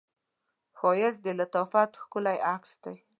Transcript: ښایست د لطافت ښکلی عکس دی